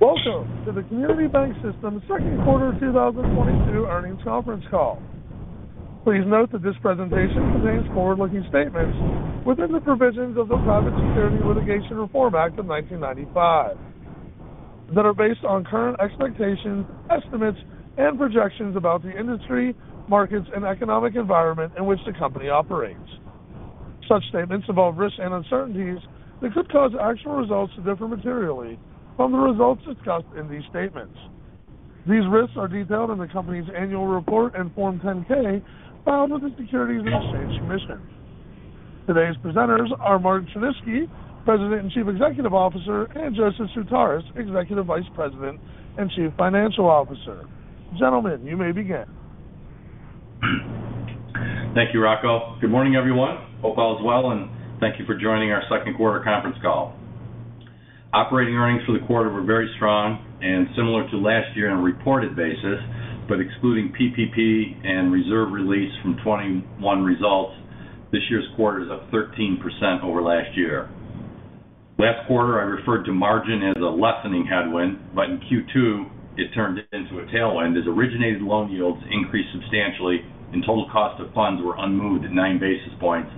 Welcome to the Community Bank System Second Quarter 2022 Earnings Conference Call. Please note that this presentation contains forward-looking statements within the provisions of the Private Securities Litigation Reform Act of 1995 that are based on current expectations, estimates, and projections about the industry, markets, and economic environment in which the company operates. Such statements involve risks and uncertainties that could cause actual results to differ materially from the results discussed in these statements. These risks are detailed in the company's annual report and Form 10-K filed with the Securities and Exchange Commission. Today's presenters are Mark Tryniski, President and Chief Executive Officer, and Joseph Sutaris, Executive Vice President and Chief Financial Officer. Gentlemen, you may begin. Thank you, Rocco. Good morning, everyone. Hope all is well, and thank you for joining our second quarter conference call. Operating earnings for the quarter were very strong and similar to last year on a reported basis, but excluding PPP and reserve release from 2021 results, this year's quarter is up 13% over last year. Last quarter, I referred to margin as a lessening headwind, but in Q2, it turned into a tailwind as originated loan yields increased substantially and total cost of funds were unmoved at nine basis points,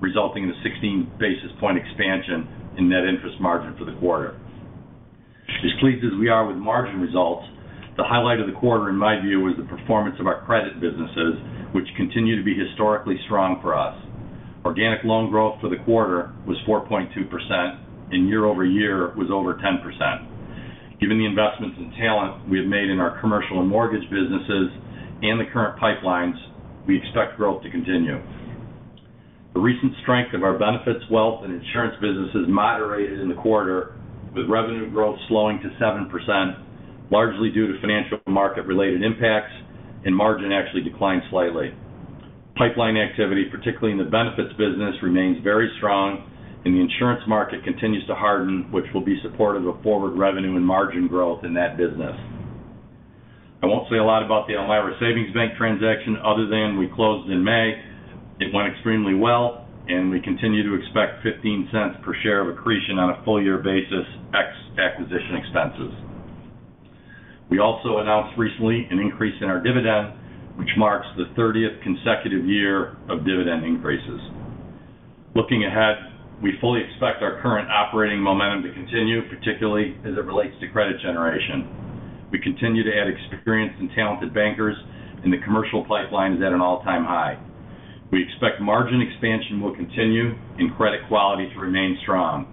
resulting in a 16 basis point expansion in net interest margin for the quarter. As pleased as we are with margin results, the highlight of the quarter in my view was the performance of our credit businesses, which continue to be historically strong for us. Organic loan growth for the quarter was 4.2% and year-over-year was over 10%. Given the investments in talent we have made in our commercial and mortgage businesses and the current pipelines, we expect growth to continue. The recent strength of our benefits, wealth, and insurance businesses moderated in the quarter, with revenue growth slowing to 7%, largely due to financial market related impacts and margin actually declined slightly. Pipeline activity, particularly in the benefits business, remains very strong and the insurance market continues to harden, which will be supportive of forward revenue and margin growth in that business. I won't say a lot about the Elmira Savings Bank transaction other than we closed in May. It went extremely well, and we continue to expect $0.15 per share of accretion on a full year basis ex acquisition expenses. We also announced recently an increase in our dividend, which marks the 30th consecutive year of dividend increases. Looking ahead, we fully expect our current operating momentum to continue, particularly as it relates to credit generation. We continue to add experienced and talented bankers, and the commercial pipeline is at an all-time high. We expect margin expansion will continue and credit quality to remain strong.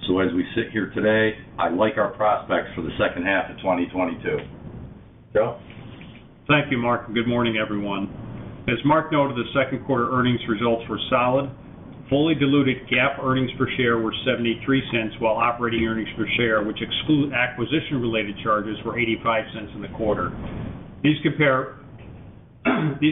As we sit here today, I like our prospects for the second half of 2022. Joe? Thank you, Mark. Good morning, everyone. As Mark noted, the second quarter earnings results were solid. Fully diluted GAAP earnings per share were $0.73, while operating earnings per share, which exclude acquisition-related charges, were $0.85 in the quarter. These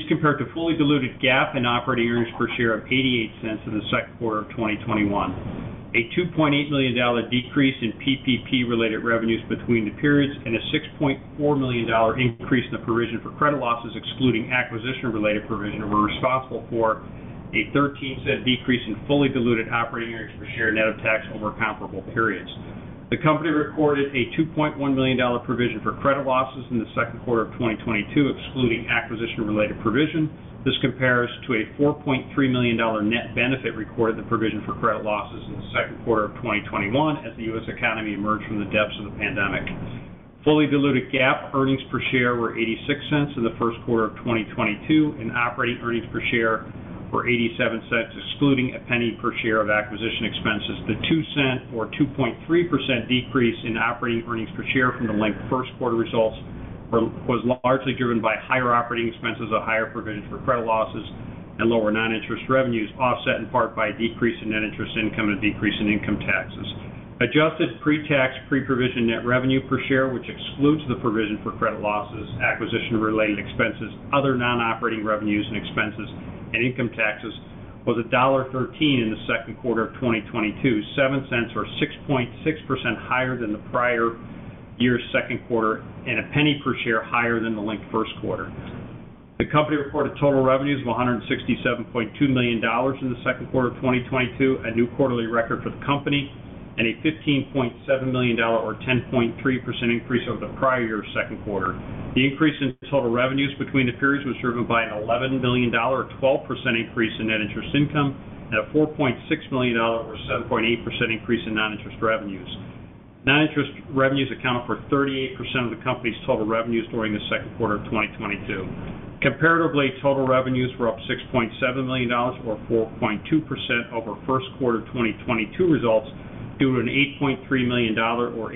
compare to fully diluted GAAP and operating earnings per share of $0.88 in the second quarter of 2021. A $2.8 million decrease in PPP-related revenues between the periods and a $6.4 million increase in the provision for credit losses excluding acquisition-related provision were responsible for a $0.13 decrease in fully diluted operating earnings per share net of tax over comparable periods. The company recorded a $2.1 million provision for credit losses in the second quarter of 2022, excluding acquisition-related provision. This compares to a $4.3 million net benefit recorded in the provision for credit losses in the second quarter of 2021 as the U.S. economy emerged from the depths of the pandemic. Fully diluted GAAP earnings per share were $0.86 in the first quarter of 2022, and operating earnings per share were $0.87, excluding $0.01 per share of acquisition expenses. The $0.02 or 2.3% decrease in operating earnings per share from the linked first quarter results was largely driven by higher operating expenses, a higher provision for credit losses, and lower non-interest revenues, offset in part by an increase in net interest income and a decrease in income taxes. Adjusted pre-tax, pre-provision net revenue per share, which excludes the provision for credit losses, acquisition related expenses, other non-operating revenues and expenses, and income taxes, was $1.13 in the second quarter of 2022, 7 cents or 6.6% higher than the prior year's second quarter and 1 cent per share higher than the linked first quarter. The company reported total revenues of $167.2 million in the second quarter of 2022, a new quarterly record for the company, and a $15.7 million or 10.3% increase over the prior year's second quarter. The increase in total revenues between the periods was driven by an $11 million or 12% increase in net interest income and a $4.6 million or 7.8% increase in non-interest revenues. Non-interest revenues account for 38% of the company's total revenues during the second quarter of 2022. Comparatively, total revenues were up $6.7 million or 4.2% over first quarter of 2022 results due to an $8.3 million or 8.7%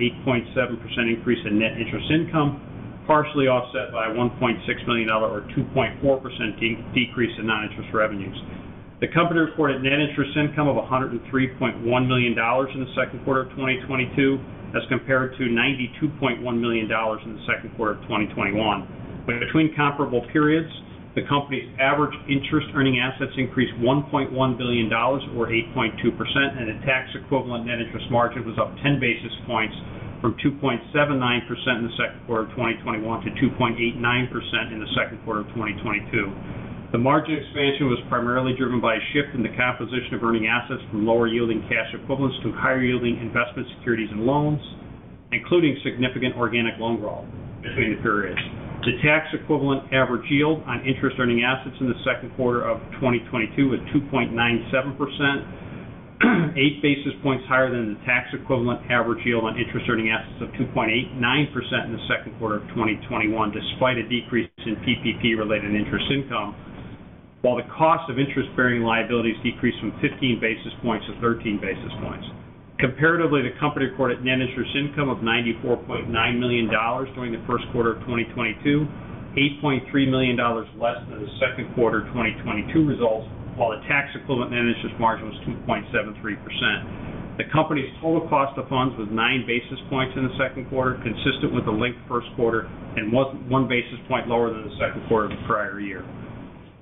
increase in net interest income, partially offset by $1.6 million or 2.4% decrease in non-interest revenues. The company reported net interest income of $103.1 million in the second quarter of 2022 as compared to $92.1 million in the second quarter of 2021. Between comparable periods, the company's average interest earning assets increased $1.1 billion or 8.2%, and a tax equivalent net interest margin was up 10 basis points from 2.79% in the second quarter of 2021 to 2.89% in the second quarter of 2022. The margin expansion was primarily driven by a shift in the composition of earning assets from lower yielding cash equivalents to higher yielding investment securities and loans, including significant organic loan growth between the periods. The tax-equivalent average yield on interest-earning assets in the second quarter of 2022 was 2.97%, 8 basis points higher than the tax-equivalent average yield on interest-earning assets of 2.89% in the second quarter of 2021, despite a decrease in PPP-related interest income, while the cost of interest-bearing liabilities decreased from 15 basis points to 13 basis points. Comparatively, the company reported net interest income of $94.9 million during the first quarter of 2022, $8.3 million less than the second quarter 2022 results, while the tax-equivalent net interest margin was 2.73%. The company's total cost of funds was 9 basis points in the second quarter, consistent with the linked first quarter and one basis point lower than the second quarter of the prior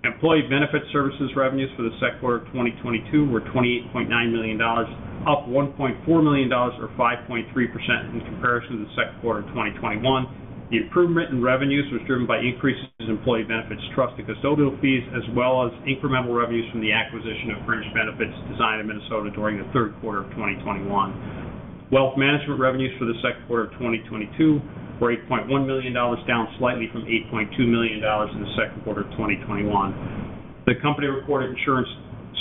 year. Employee benefit services revenues for the second quarter of 2022 were $28.9 million, up $1.4 million or 5.3% in comparison to the second quarter of 2021. The improvement in revenues was driven by increases in employee benefits trust and custodial fees, as well as incremental revenues from the acquisition of Fringe Benefits Design of Minnesota during the third quarter of 2021. Wealth management revenues for the second quarter of 2022 were $8.1 million, down slightly from $8.2 million in the second quarter of 2021. The company reported insurance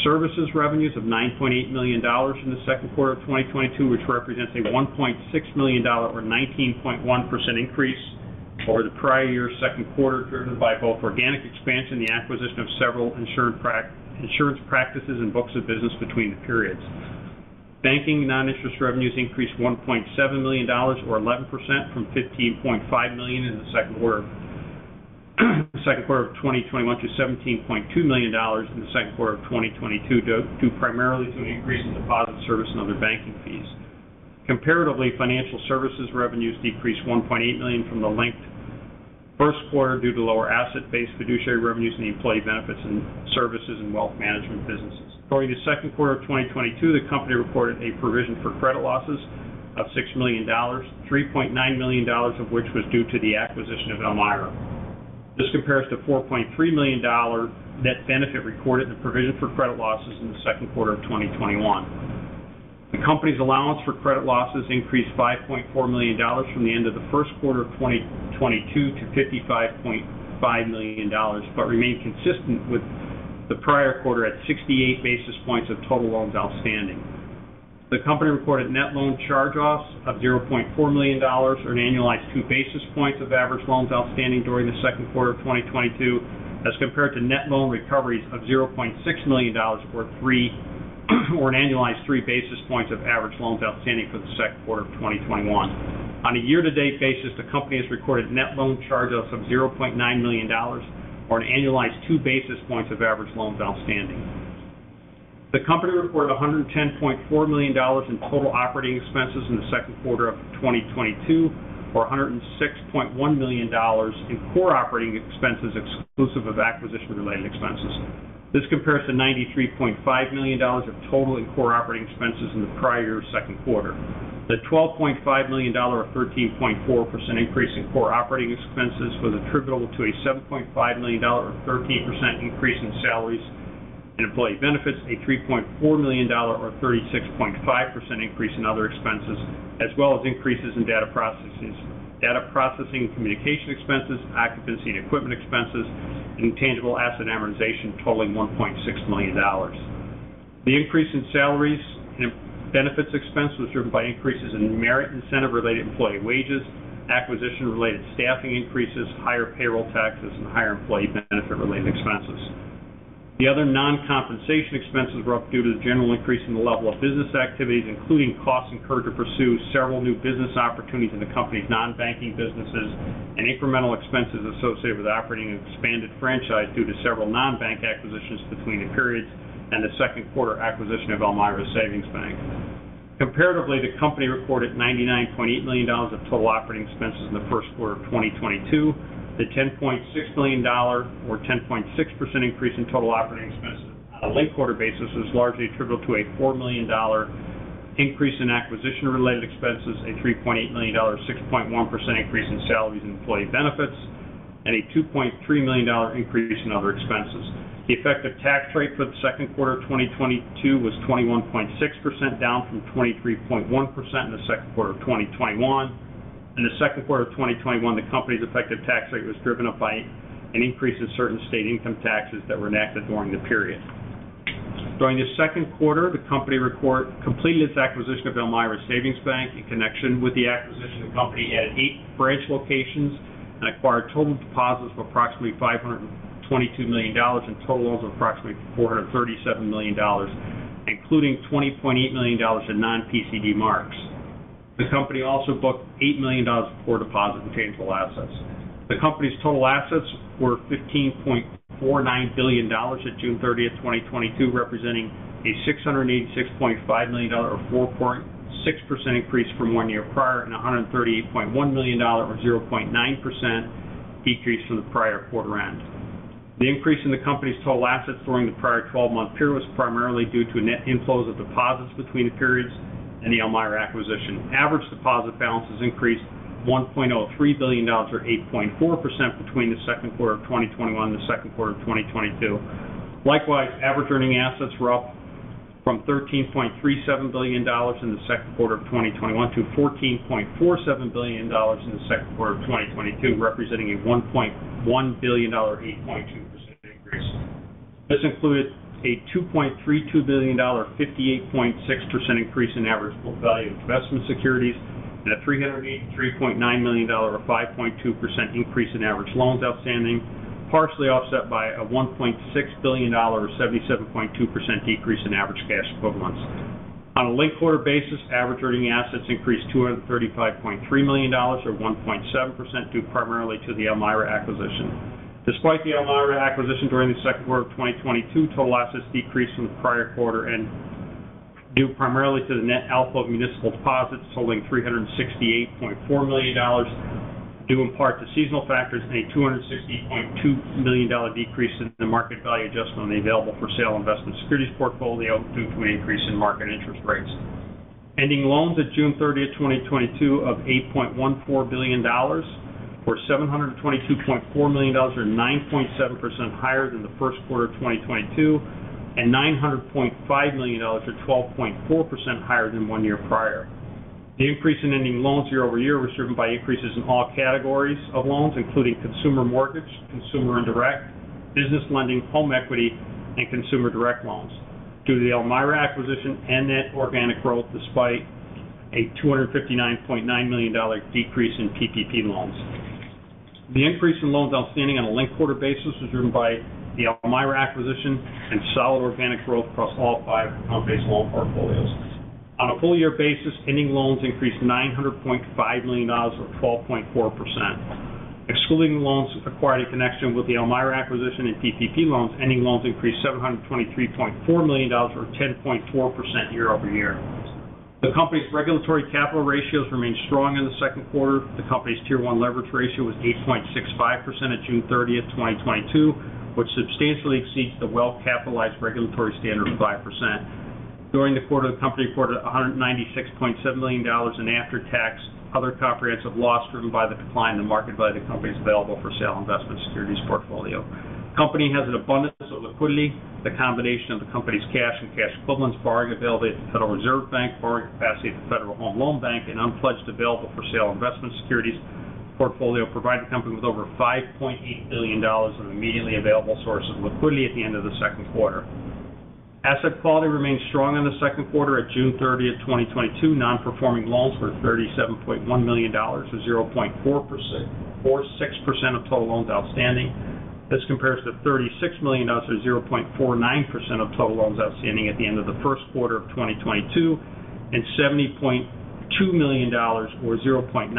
services revenues of $9.8 million in the second quarter of 2022, which represents a $1.6 million or 19.1% increase over the prior year second quarter, driven by both organic expansion and the acquisition of several insurance practices and books of business between the periods. Banking non-interest revenues increased $1.7 million or 11% from $15.5 million in the second quarter of 2021 to $17.2 million in the second quarter of 2022, due primarily to an increase in deposit service and other banking fees. Comparatively, financial services revenues decreased $1.8 million from the linked first quarter due to lower asset-based fiduciary revenues in the employee benefits and services and wealth management businesses. During the second quarter of 2022, the company reported a provision for credit losses of $6 million, $3.9 million of which was due to the acquisition of Elmira. This compares to $4.3 million net benefit recorded in the provision for credit losses in the second quarter of 2021. The company's allowance for credit losses increased $5.4 million from the end of the first quarter of 2022 to $55.5 million, but remained consistent with the prior quarter at 68 basis points of total loans outstanding. The company reported net loan charge-offs of $0.4 million or an annualized 2 basis points of average loans outstanding during the second quarter of 2022, as compared to net loan recoveries of $0.6 million or an annualized 3 basis points of average loans outstanding for the second quarter of 2021. On a year-to-date basis, the company has recorded net loan charge-offs of $0.9 million or an annualized 2 basis points of average loans outstanding. The company reported $110.4 million in total operating expenses in the second quarter of 2022 or $106.1 million in core operating expenses exclusive of acquisition-related expenses. This compares to $93.5 million of total and core operating expenses in the prior year second quarter. The $12.5 million or 13.4% increase in core operating expenses was attributable to a $7.5 million or 13% increase in salaries and employee benefits, a $3.4 million or 36.5% increase in other expenses, as well as increases in data processing and communication expenses, occupancy and equipment expenses, and intangible asset amortization totaling $1.6 million. The increase in salaries and benefits expense was driven by increases in merit incentive-related employee wages, acquisition-related staffing increases, higher payroll taxes, and higher employee benefit-related expenses. The other non-compensation expenses were up due to the general increase in the level of business activities, including costs incurred to pursue several new business opportunities in the company's non-banking businesses and incremental expenses associated with operating an expanded franchise due to several non-bank acquisitions between the periods and the second quarter acquisition of Elmira Savings Bank. Comparatively, the company reported $99.8 million of total operating expenses in the first quarter of 2022. The $10.6 million or 10.6% increase in total operating expenses on a linked-quarter basis was largely attributable to a $4 million increase in acquisition-related expenses, a $3.8 million or 6.1% increase in salaries and employee benefits, and a $2.3 million increase in other expenses. The effective tax rate for the second quarter of 2022 was 21.6%, down from 23.1% in the second quarter of 2021. In the second quarter of 2021, the company's effective tax rate was driven up by an increase in certain state income taxes that were enacted during the period. During the second quarter, the company completed its acquisition of Elmira Savings Bank. In connection with the acquisition, the company added eight branch locations and acquired total deposits of approximately $522 million and total loans of approximately $437 million, including $20.8 million in non-PCD marks. The company also booked $8 million of core deposit intangible assets. The company's total assets were $15.49 billion at June 30, 2022, representing a $686.5 million or 4.6% increase from one year prior and a $138.1 million or 0.9% decrease from the prior quarter end. The increase in the company's total assets during the prior 12 -month period was primarily due to net inflows of deposits between the periods. The Elmira acquisition. Average deposit balance has increased $1.03 billion or 8.4% between the second quarter of 2021 and the second quarter of 2022. Likewise, average earning assets were up from $13.37 billion in the second quarter of 2021 to $14.47 billion in the second quarter of 2022, representing a $1.1 billion, 8.2% increase. This included a $2.32 billion, 58.6% increase in average book value of investment securities and a $383.9 million, or 5.2% increase in average loans outstanding, partially offset by a $1.6 billion, or 77.2% decrease in average cash equivalents. On a linked-quarter basis, average earning assets increased $235.3 million or 1.7% due primarily to the Elmira acquisition. Despite the Elmira acquisition during the second quarter of 2022, total assets decreased from the prior quarter due primarily to the net outflow of municipal deposits totaling $368.4 million due in part to seasonal factors and a $260.2 million decrease in the market value adjustment on the available for sale investment securities portfolio due to an increase in market interest rates. Ending loans at June 30, 2022 of $8.14 billion or $722.4 million or 9.7% higher than the first quarter of 2022, and $900.5 million or 12.4% higher than one year prior. The increase in ending loans year-over-year was driven by increases in all categories of loans, including consumer mortgage, consumer and direct, business lending, home equity, and consumer direct loans due to the Elmira acquisition and net organic growth despite a $259.9 million decrease in PPP loans. The increase in loans outstanding on a linked-quarter basis was driven by the Elmira acquisition and solid organic growth across all five loan-based loan portfolios. On a full year basis, ending loans increased $900.5 million or 12.4%. Excluding the loans acquired in connection with the Elmira acquisition in PPP loans, ending loans increased $723.4 million or 10.4% year-over-year. The company's regulatory capital ratios remained strong in the second quarter. The company's Tier 1 leverage ratio was 8.65% at June 30, 2022, which substantially exceeds the well-capitalized regulatory standard of 5%. During the quarter, the company reported $196.7 million in after-tax other comprehensive loss driven by the decline in the market by the company's available for sale investment securities portfolio. Company has an abundance of liquidity. The combination of the company's cash and cash equivalents, borrowing available at the Federal Reserve Bank, borrowing capacity at the Federal Home Loan Bank, and unpledged available for sale investment securities portfolio provide the company with over $5.8 billion in immediately available sources of liquidity at the end of the second quarter. Asset quality remained strong in the second quarter at June 30, 2022. Non-performing loans were $37.1 million, or 0.46% of total loans outstanding. This compares to $36 million or 0.49% of total loans outstanding at the end of the first quarter of 2022, and $70.2 million or 0.97%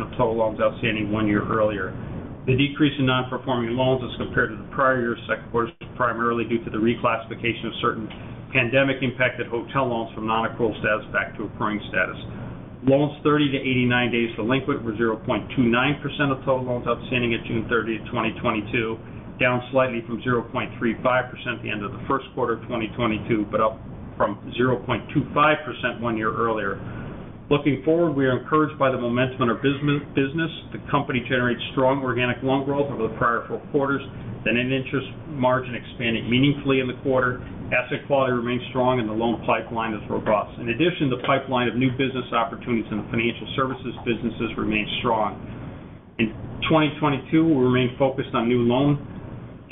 of total loans outstanding one year earlier. The decrease in non-performing loans as compared to the prior year second quarter is primarily due to the reclassification of certain pandemic-impacted hotel loans from non-accrual status back to accruing status. Loans 30 days-89 days delinquent were 0.29% of total loans outstanding at June 30, 2022, down slightly from 0.35% at the end of the first quarter of 2022, but up from 0.25% one year earlier. Looking forward, we are encouraged by the momentum in our business. The company generates strong organic loan growth over the prior four quarters. Interest margin expanded meaningfully in the quarter. Asset quality remains strong and the loan pipeline is robust. In addition, the pipeline of new business opportunities in the financial services businesses remains strong. In 2022, we remain focused on new loan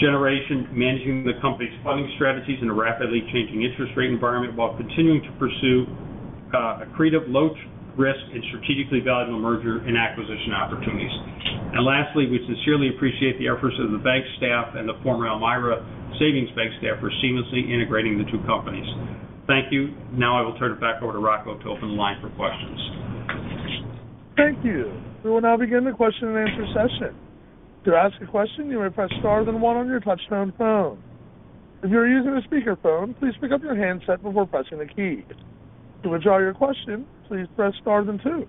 generation, managing the company's funding strategies in a rapidly changing interest rate environment while continuing to pursue accretive low risk and strategically valuable merger and acquisition opportunities. Lastly, we sincerely appreciate the efforts of the bank staff and the former Elmira Savings Bank staff for seamlessly integrating the two companies. Thank you. Now I will turn it back over to Rocco to open the line for questions. Thank you. We will now begin the question and answer session. To ask a question, you may press star then one on your touchtone phone. If you are using a speakerphone, please pick up your handset before pressing the keys. To withdraw your question, please press star then two.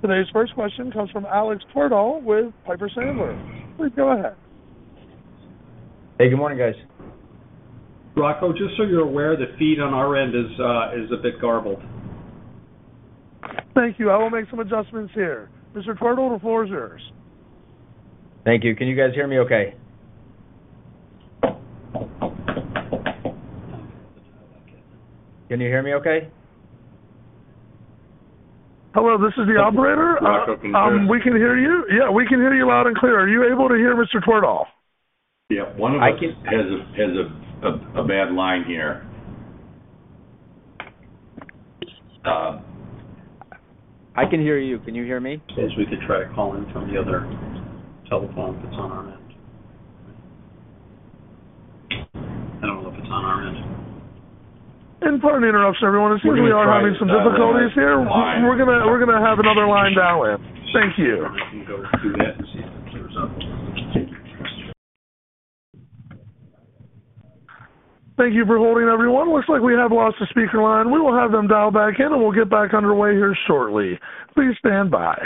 Today's first question comes from Alexander Twerdahl with Piper Sandler. Please go ahead. Hey, good morning, guys. Rocco, just so you're aware, the feed on our end is a bit garbled. Thank you. I will make some adjustments here. Mr. Twerdahl, the floor is yours. Thank you. Can you guys hear me okay? Can you hear me okay? Hello, this is the operator. Rocco, can you hear us? We can hear you. Yeah, we can hear you loud and clear. Are you able to hear Mr. Twerdahl? Yeah. I can- Has a bad line here. I can hear you. Can you hear me? Guess we could try calling from the other telephone if it's on our end. I don't know if it's on our end. Pardon the interruption, everyone. It's looking like we are having some difficulties here. We're gonna have another line dial in. Thank you. We can go do that and see if it clears up. Thank you for holding, everyone. Looks like we have lost the speaker line. We will have them dial back in, and we'll get back underway here shortly. Please stand by.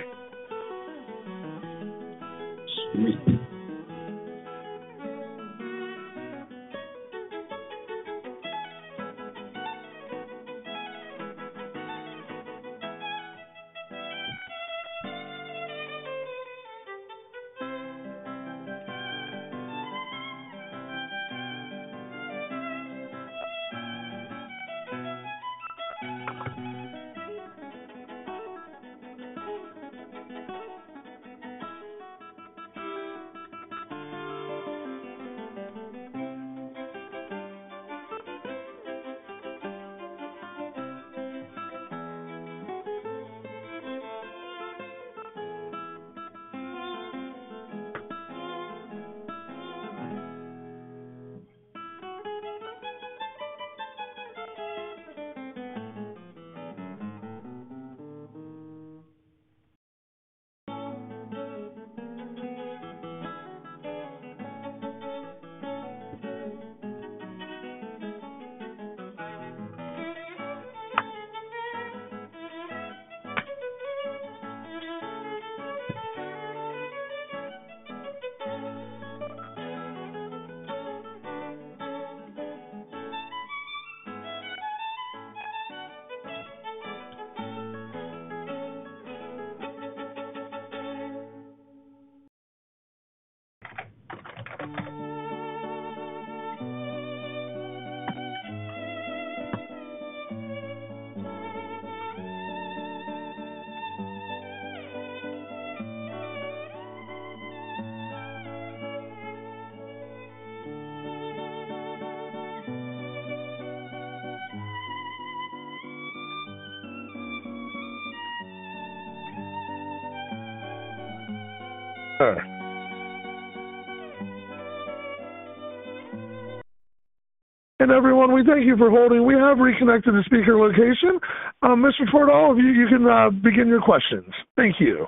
Everyone, we thank you for holding. We have reconnected the speaker location. Mr. Twerdahl, all of you can begin your questions. Thank you.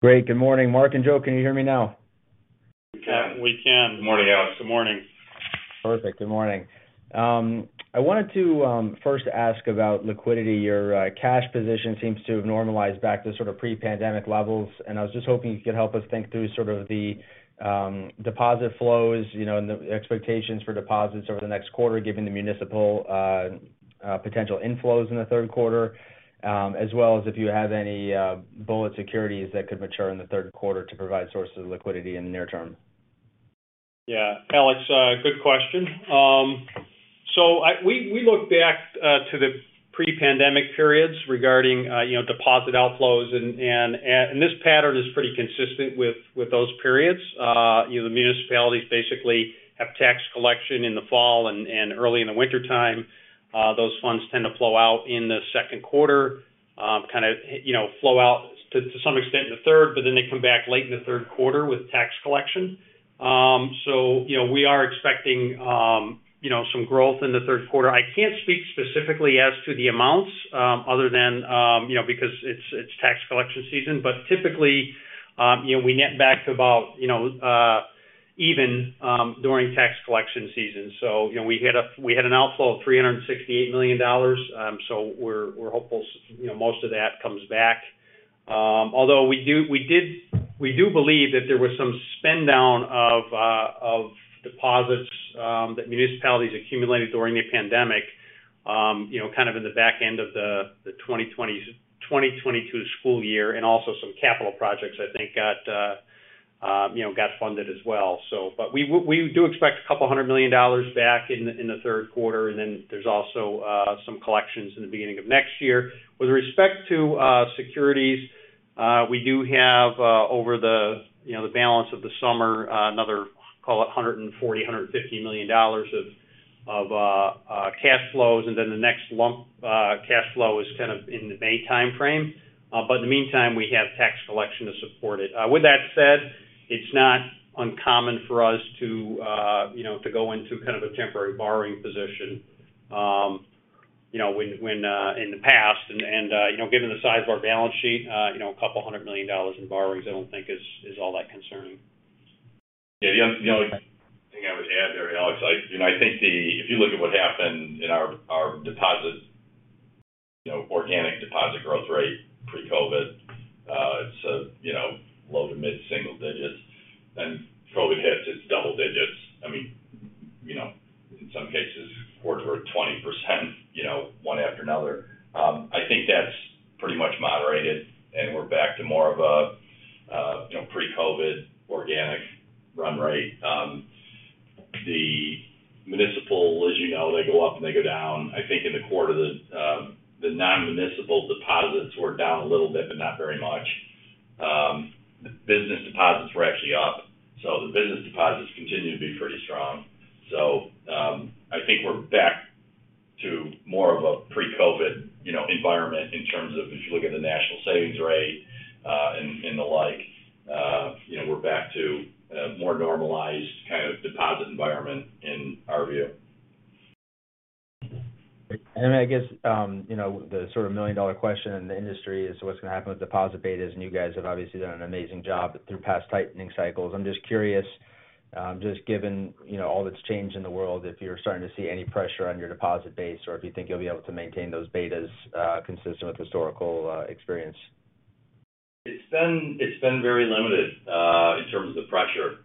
Great. Good morning, Mark and Joe. Can you hear me now? We can. We can. Good morning, Alex. Good morning. Perfect. Good morning. I wanted to first ask about liquidity. Your cash position seems to have normalized back to sort of pre-pandemic levels, and I was just hoping you could help us think through sort of the deposit flows, you know, and the expectations for deposits over the next quarter, given the municipal potential inflows in the third quarter, as well as if you have any bullet securities that could mature in the third quarter to provide sources of liquidity in the near term. Yeah. Alex, good question. So we look back to the pre-pandemic periods regarding you know, deposit outflows and this pattern is pretty consistent with those periods. You know, the municipalities basically have tax collection in the fall and early in the wintertime. Those funds tend to flow out in the second quarter, kind of, you know, flow out to some extent in the third, but then they come back late in the third quarter with tax collection. So, you know, we are expecting you know, some growth in the third quarter. I can't speak specifically as to the amounts, other than, you know, because it's tax collection season. Typically, you know, we net back to about, you know, even, during tax collection season. You know, we had an outflow of $368 million, so we're hopeful, you know, most of that comes back. Although we do believe that there was some spend down of deposits that municipalities accumulated during the pandemic, you know, kind of in the back end of the 2022 school year and also some capital projects I think got funded as well. We do expect $200 million back in the third quarter, and then there's also some collections in the beginning of next year. With respect to securities, we do have, over the, you know, the balance of the summer, another, call it $140 million-$150 million of cash flows, and then the next lump cash flow is kind of in the May timeframe. In the meantime, we have tax collection to support it. With that said, it's not uncommon for us to, you know, to go into kind of a temporary borrowing position, you know, when in the past and, you know, given the size of our balance sheet, you know, $200 million in borrowings I don't think is all that concerning. Yeah. The other thing I would add there, Alex, I think if you look at what happened in our organic deposit growth rate pre-COVID, it's a low to mid single digits. Then COVID hits, it's double digits. I mean, you know, in some cases quarter over 20% you know, one after another. I think that's pretty much moderated, and we're back to more of a you know, pre-COVID organic run rate. The municipal, as you know, they go up, and they go down. I think in the quarter the non-municipal deposits were down a little bit, but not very much. The business deposits were actually up, so the business deposits continue to be pretty strong. I think we're back to more of a pre-COVID, you know, environment in terms of if you look at the national savings rate, and the like, you know, we're back to a more normalized kind of deposit environment in our view. I guess, you know, the sort of million-dollar question in the industry is what's going to happen with deposit betas, and you guys have obviously done an amazing job through past tightening cycles. I'm just curious, just given, you know, all that's changed in the world, if you're starting to see any pressure on your deposit base or if you think you'll be able to maintain those betas, consistent with historical, experience. It's been very limited in terms of the pressure.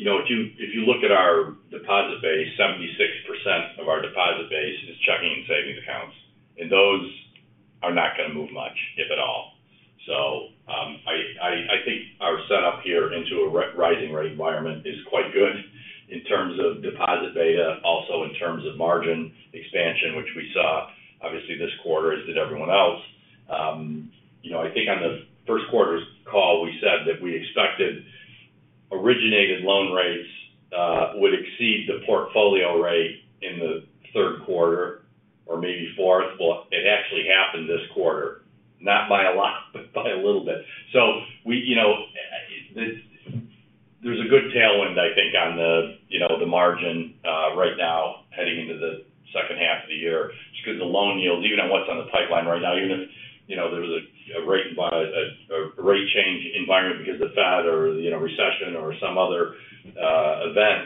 You know, if you look at our deposit base, 76% of our deposit base is checking and savings accounts. Those are not going to move much, if at all. I think our set-up here into a rising rate environment is quite good in terms of deposit beta, also in terms of margin expansion, which we saw obviously this quarter, as did everyone else. You know, I think on the first quarter's call, we said that we expected originated loan rates would exceed the portfolio rate in the third quarter or maybe fourth. Well, it actually happened this quarter. Not by a lot, but by a little bit. You know, there's a good tailwind, I think, on the margin right now, heading into the second half of the year just because the loan yields, even on what's on the pipeline right now. Even if you know there was a rate change environment because the Fed or recession or some other event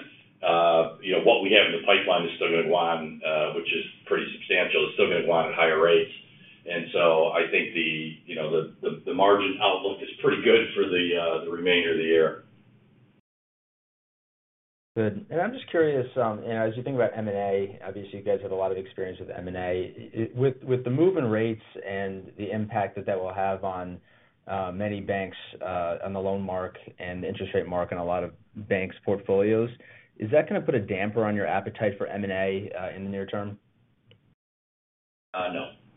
you know what we have in the pipeline is still going to go on, which is pretty substantial. It's still going to go on at higher rates. I think you know the margin outlook is pretty good for the remainder of the year. Good. I'm just curious, you know, as you think about M&A, obviously, you guys have a lot of experience with M&A. With the move in rates and the impact that that will have on many banks, on the loan mark and interest rate mark in a lot of banks' portfolios, is that going to put a damper on your appetite for M&A in the near term? No.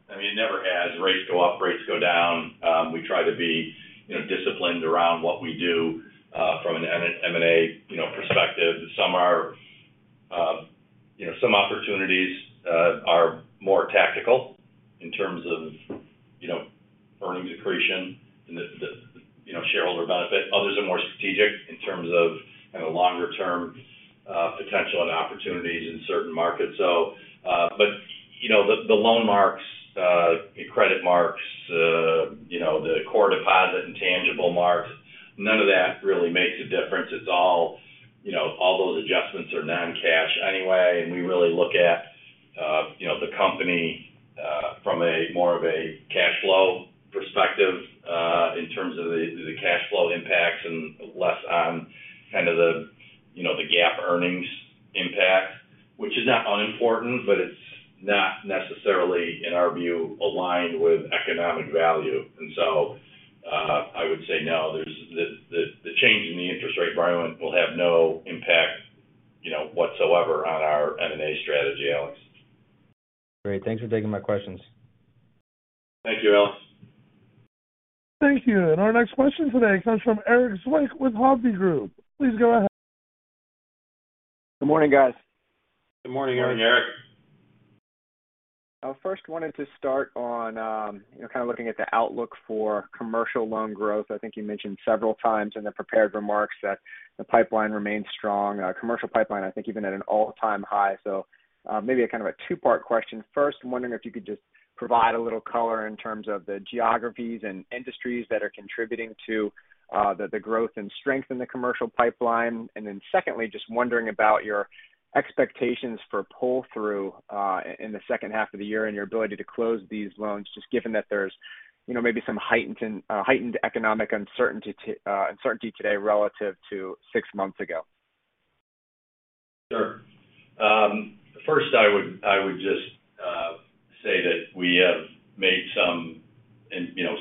I mean, it never has. Rates go up, rates go down. We try to be, you know, disciplined around what we do from an M&A, you know, perspective. Some opportunities are more tactical in terms of, you know, earnings accretion and the shareholder benefit. Others are more strategic in terms of kind of longer-term potential and opportunities in certain markets. You know, the loan marks, the credit marks, you know, the core deposit and tangible marks, none of that really makes a difference. It's all, you know, all those adjustments are non-cash anyway. We really look at, you know, the company from a more of a cash flow perspective in terms of the cash flow impacts and less on kind of the, you know, the GAAP earnings impact, which is not unimportant. It's not necessarily, in our view, aligned with economic value. I would say, no. The change in the interest rate environment will have no impact, you know, whatsoever on our M&A strategy, Alex. Great. Thanks for taking my questions. Thank you, Alex. Thank you. Our next question today comes from Erik Zwick with Hovde Group. Please go ahead. Good morning, guys. Good morning, Erik. Morning, Erik. I first wanted to start on, you know, kind of looking at the outlook for commercial loan growth. I think you mentioned several times in the prepared remarks that the pipeline remains strong. Commercial pipeline, I think even at an all-time high. Maybe a kind of a two-part question. First, I'm wondering if you could just provide a little color in terms of the geographies and industries that are contributing to the growth and strength in the commercial pipeline. Then secondly, just wondering about your expectations for pull-through in the second half of the year and your ability to close these loans, just given that there's, you know, maybe some heightened economic uncertainty today relative to six months ago. Sure. First, I would just say that we have made some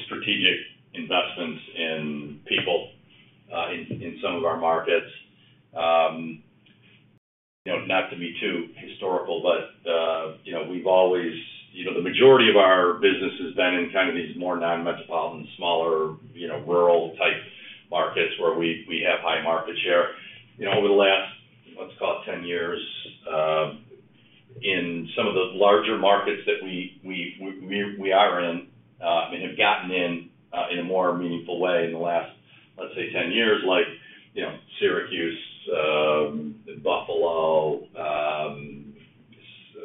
strategic investments in people in some of our markets. You know, not to be too historical, but you know, the majority of our business has been in kind of these more non-metropolitan, smaller rural type markets where we have high market share. You know, over the last, let's call it 10 years, in some of the larger markets that we are in and have gotten in in a more meaningful way in the last, let's say 10 years, like, you know, Syracuse, Buffalo, some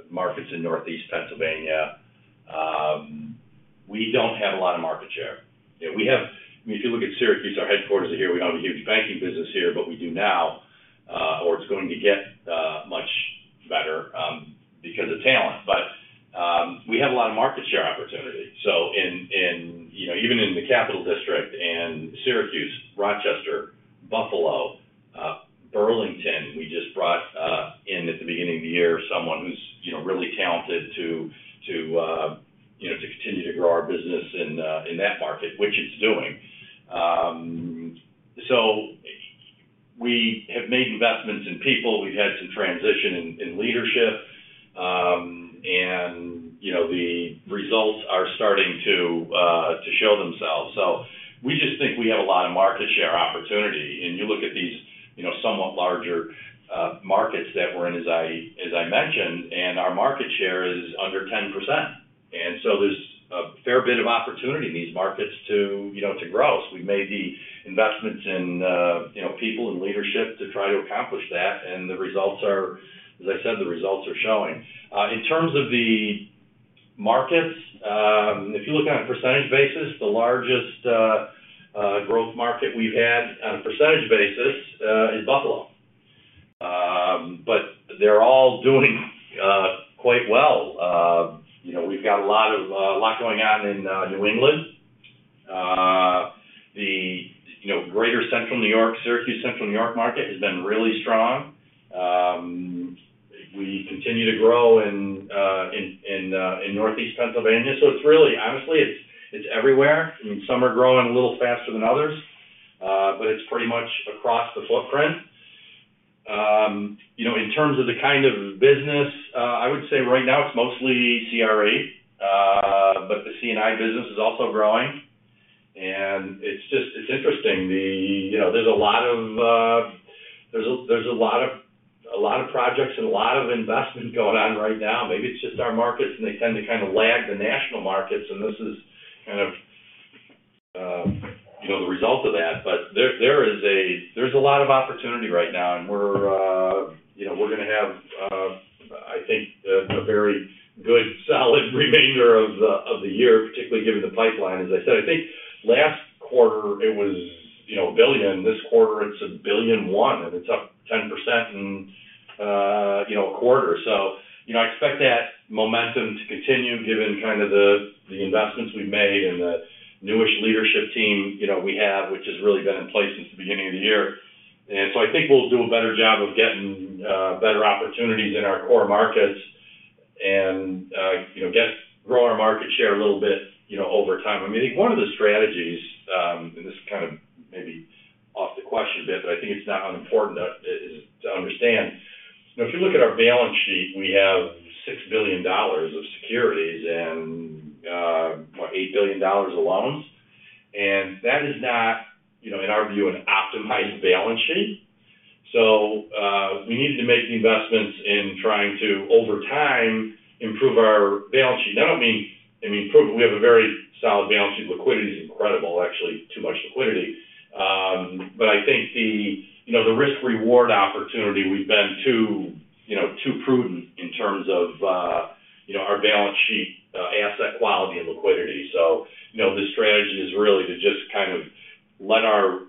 markets in Northeast Pennsylvania, we don't have a lot of market share. You know, I mean, if you look at Syracuse, our headquarters are here. We don't have a huge banking business here, but we do now, or it's going to get much better because of talent. We have a lot of market share opportunity. In you know even in the Capital District and Syracuse, Rochester, Buffalo, Burlington, we just brought in at the beginning of the year, someone who's you know really talented to you know to continue to grow our business in that market, which it's doing. We have made investments in people. We've had some transition in leadership. You know the results are starting to show themselves. We just think we have a lot of market share opportunity. You look at these, you know, somewhat larger markets that we're in, as I mentioned, and our market share is under 10%. There's a fair bit of opportunity in these markets to, you know, to grow. We made the investments in, you know, people and leadership to try to accomplish that, and the results are, as I said, showing. In terms of the markets, if you look on a percentage basis, the largest growth market we've had on a percentage basis is Buffalo quite well. You know, we've got a lot going on in New England. The, you know, greater Central New York, Syracuse, Central New York market has been really strong. We continue to grow in Northeast Pennsylvania. It's really honestly it's everywhere. I mean, some are growing a little faster than others, but it's pretty much across the footprint. You know, in terms of the kind of business, I would say right now it's mostly CRE, but the C&I business is also growing. It's just interesting. You know, there's a lot of projects and a lot of investment going on right now. Maybe it's just our markets, and they tend to kind of lag the national markets, and this is kind of, you know, the result of that. There is a lot of opportunity right now, and we're, you know, we're gonna have, I think a very good, solid remainder of the year, particularly given the pipeline. As I said, I think last quarter it was, you know, $1 billion. This quarter it's $1 billion and 1, and it's up 10% in a quarter. I expect that momentum to continue given kind of the investments we've made and the new-ish leadership team, you know, we have, which has really been in place since the beginning of the year. I think we'll do a better job of getting better opportunities in our core markets and, you know, grow our market share a little bit, you know, over time. I mean, I think one of the strategies, and this is kind of maybe off the question a bit, but I think it's not unimportant to understand. You know, if you look at our balance sheet, we have $6 billion of securities and what, $8 billion of loans. That is not, you know, in our view, an optimized balance sheet. We needed to make the investments in trying to, over time, improve our balance sheet. I don't mean, I mean, improve. We have a very solid balance sheet. Liquidity is incredible, actually, too much liquidity. But I think the, you know, the risk-reward opportunity, we've been too, you know, too prudent in terms of, you know, our balance sheet, asset quality and liquidity. You know, the strategy is really to just kind of let our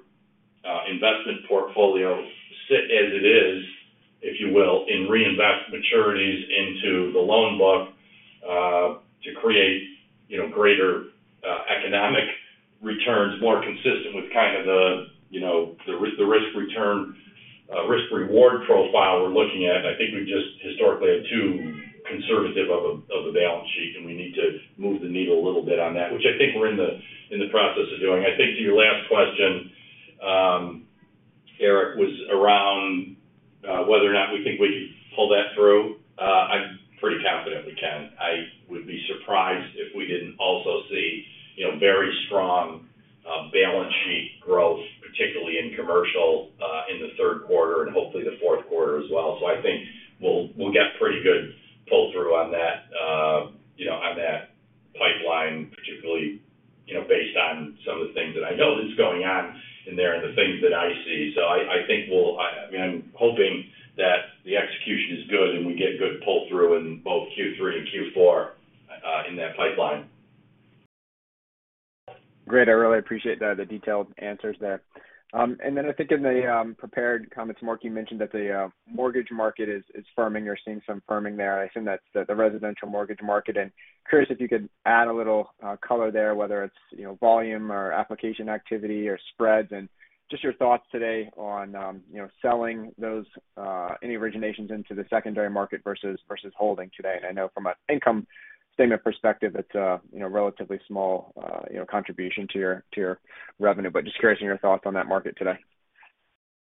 investment portfolio sit as it is, if you will, and reinvest maturities into the loan book to create, you know, greater economic returns, more consistent with kind of the, you know, the risk-return risk-reward profile we're looking at. I think we just historically are too conservative of a balance sheet, and we need to move the needle a little bit on that, which I think we're in the process of doing. I think to your last question, Erik, was around whether or not we think we can pull that through. I'm pretty confident we can. I would be surprised if we didn't also see, you know, very strong balance sheet growth, particularly in commercial, in the third quarter and hopefully the fourth quarter as well. I think we'll get pretty good pull-through on that, you know, on that pipeline, particularly, you know, based on some of the things that I know that's going on in there and the things that I see. I mean, I'm hoping that the execution is good and we get good pull-through in both Q3 and Q4 in that pipeline. Great. I really appreciate the detailed answers there. Then I think in the prepared comments, Mark, you mentioned that the mortgage market is firming. You're seeing some firming there. I assume that's the residential mortgage market. Curious if you could add a little color there, whether it's you know, volume or application activity or spreads, and just your thoughts today on you know, selling those any originations into the secondary market versus holding today. I know from an income statement perspective, it's a you know, relatively small you know, contribution to your revenue. Just curious in your thoughts on that market today.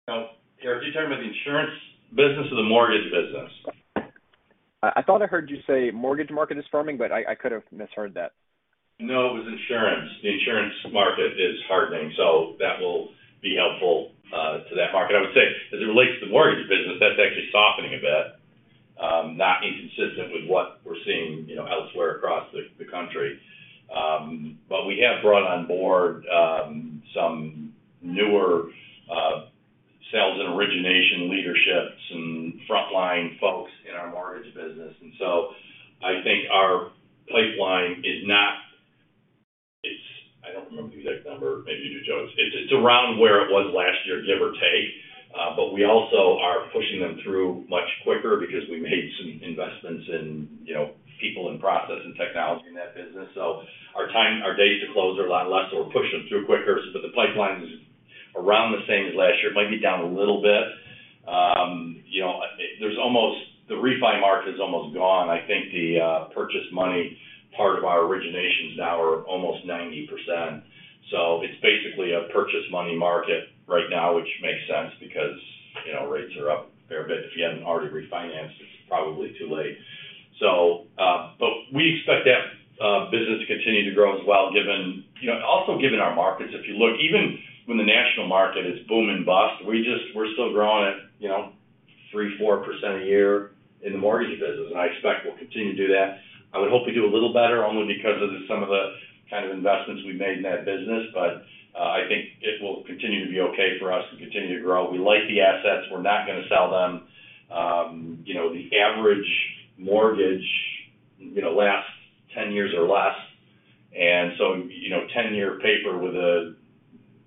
Erik, are you talking about the insurance business or the mortgage business? I thought I heard you say mortgage market is firming, but I could have misheard that. No, it was insurance. The insurance market is hardening, so that will be helpful to that market. I would say as it relates to the mortgage business, that's actually softening a bit, not inconsistent with what we're seeing, you know, elsewhere across the country. We have brought on board some newer sales and origination leadership, some frontline folks in our mortgage business. I think our pipeline is. I don't remember the exact number. Maybe you do, Joe. It's around where it was last year, give or take. We also are pushing them through much quicker because we made some investments in, you know, people and process and technology in that business. Our time, our days to close are a lot less, so we're pushing them through quicker. The pipeline is around the same as last year. It might be down a little bit. You know, the refi market is almost gone. I think the purchase money part of our originations now are almost 90%. It's basically a purchase money market right now, which makes sense because, you know, rates are up a fair bit. If you hadn't already refinanced, it's probably too late. We expect that business to continue to grow as well, given, you know, also given our markets. If you look, even when the national market is boom and bust, we're still growing at, you know, 3%-4% a year in the mortgage business, and I expect we'll continue to do that. I would hope we do a little better only because of some of the kind of investments we've made in that business. I think it will continue to be okay for us and continue to grow. We like the assets. We're not gonna sell them. You know, the average mortgage, you know, lasts 10 years or less. You know, 10-year paper with a.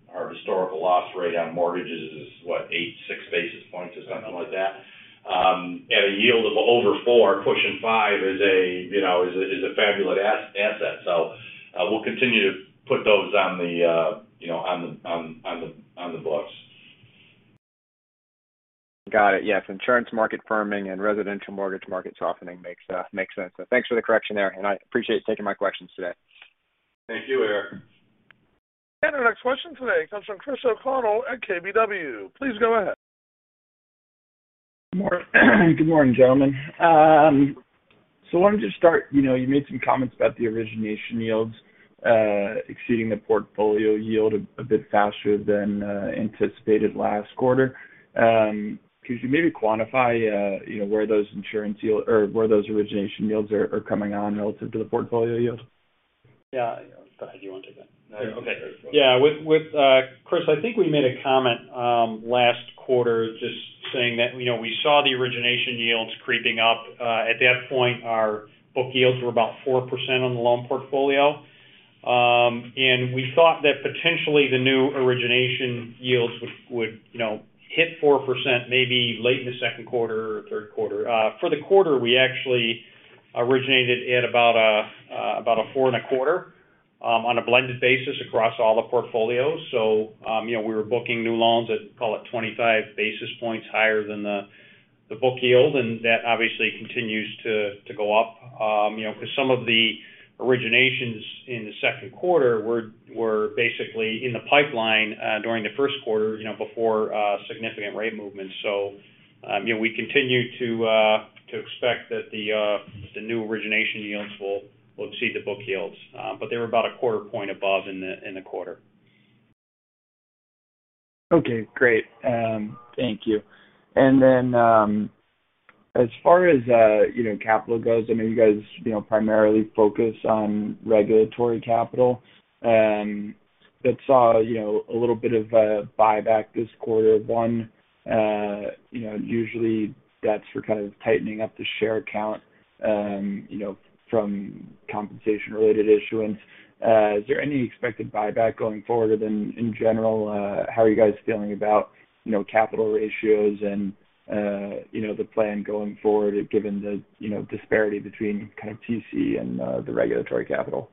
Our historical loss rate on mortgages is what? 86 basis points or something like that. At a yield of over 4%, pushing 5% is a, you know, fabulous asset. We'll continue to put those on the, you know, on the books. Got it. Yes. Insurance market firming and residential mortgage market softening makes sense. Thanks for the correction there, and I appreciate you taking my questions today. Thank you, Erik. Our next question today comes from Chris O'Connell at KBW. Please go ahead. Good morning, gentlemen. Why don't you start? You know, you made some comments about the origination yields exceeding the portfolio yield a bit faster than anticipated last quarter. Could you maybe quantify, you know, where those origination yields are coming in relative to the portfolio yield? Yeah. Do you want to take that? No. Okay. Yeah. With Chris, I think we made a comment last quarter just saying that, you know, we saw the origination yields creeping up. At that point, our book yields were about 4% on the loan portfolio. We thought that potentially the new origination yields would, you know, hit 4% maybe late in the second quarter or third quarter. For the quarter, we actually originated at about 4.25% on a blended basis across all the portfolios. You know, we were booking new loans at, call it 25 basis points higher than the book yield. That obviously continues to go up, you know, 'cause some of the originations in the second quarter were basically in the pipeline during the first quarter, you know, before significant rate movements. We continue to expect that the new origination yields will exceed the book yields. But they were about a quarter point above in the quarter. Okay, great. Thank you. As far as, you know, capital goes, I know you guys, you know, primarily focus on regulatory capital. But saw, you know, a little bit of a buyback this quarter. One, you know, usually that's for kind of tightening up the share count, you know, from compensation related issuance. Is there any expected buyback going forward? And in general, how are you guys feeling about, you know, capital ratios and, you know, the plan going forward given the, you know, disparity between kind of TC and, the regulatory capital?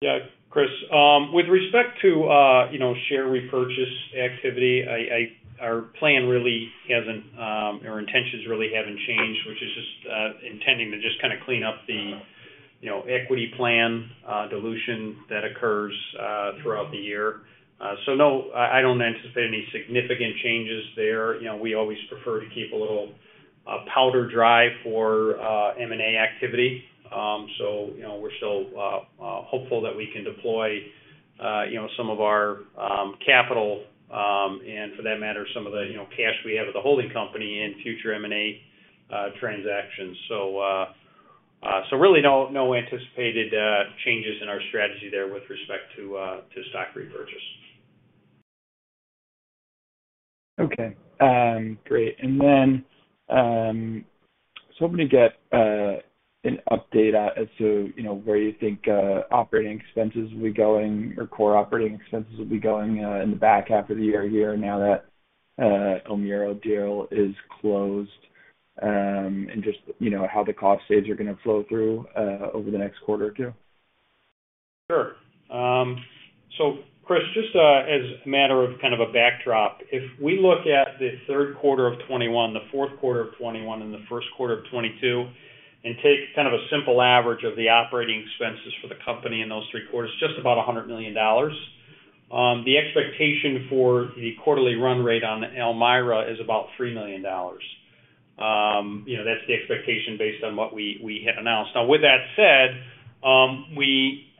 Yeah. Chris, with respect to you know share repurchase activity, our plan really hasn't, our intentions really haven't changed, which is just intending to just kind of clean up the you know equity plan dilution that occurs throughout the year. No, I don't anticipate any significant changes there. You know, we always prefer to keep a little powder dry for M&A activity. You know, we're still hopeful that we can deploy you know some of our capital and for that matter some of the you know cash we have at the holding company in future M&A transactions. Really no anticipated changes in our strategy there with respect to stock repurchase. Okay. Great. Just hoping to get an update as to, you know, where you think operating expenses will be going or core operating expenses will be going in the back half of the year here now that Elmira deal is closed, and just, you know, how the cost savings are gonna flow through over the next quarter or two. Sure. Chris, just as a matter of kind of a backdrop, if we look at the third quarter of 2021, the fourth quarter of 2021 and the first quarter of 2022 and take kind of a simple average of the operating expenses for the company in those three quarters, just about $100 million. The expectation for the quarterly run rate on Elmira is about $3 million. You know, that's the expectation based on what we have announced. Now with that said, we